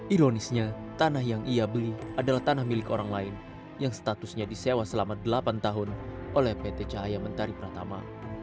ironisnya tanah yang ia beli adalah tanah milik orang lain yang statusnya disewa selama delapan tahun oleh pt cahaya mentari pratama